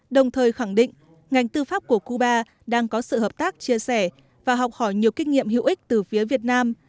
đồng thời khẳng định ngành tư pháp của cuba đang có sự hợp tác chia sẻ và học hỏi nhiều kinh nghiệm hữu ích từ phía việt nam